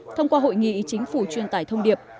thông qua hội nghị chính phủ truyền tải thông điệp